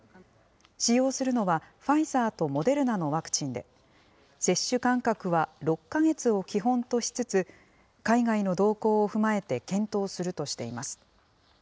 使用するのは、ファイザーとモデルナのワクチンで、接種間隔は６か月を基本としつつ、海外の動向を踏まえて検討するとしています。